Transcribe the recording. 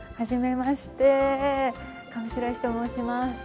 初めまして上白石と申します。